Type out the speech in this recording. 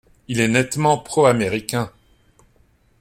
Il est nettement pro-américain.